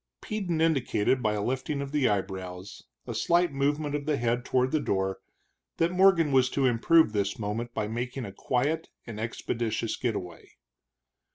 Peden indicated by a lifting of the eyebrows, a slight movement of the head toward the door, that Morgan was to improve this moment by making a quiet and expeditious get away.